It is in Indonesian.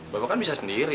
bapak kan bisa sendiri